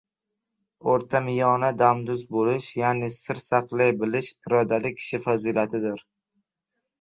O‘rtamiyona damduz bo‘lish, ya’ni sir saqlay bilish — irodali kishi fazilatidir.